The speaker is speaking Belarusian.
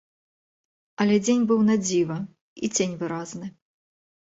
Але дзень быў надзіва, й цень выразны.